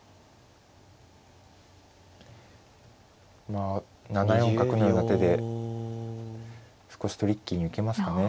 まあ７四角のような手で少しトリッキーに受けますかね。